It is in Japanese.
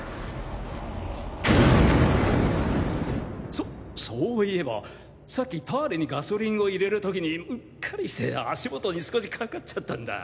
そそういえばさっきターレにガソリンを入れるときにうっかりして足元に少しかかっちゃったんだ。